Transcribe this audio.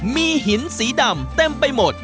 มีหินสีดำเต็มไปหมด